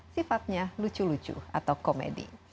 sifatnya lucu lucu atau komedi